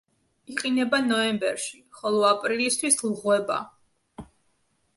იყინება ნოემბერში, ხოლო აპრილისთვის ლღვება.